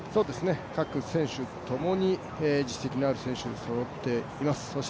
各選手ともに、実績のある選手、そろっています。